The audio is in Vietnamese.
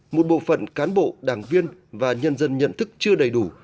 một bộ phận cán bộ đảng viên và nhân dân nhận thức chưa đầy đủ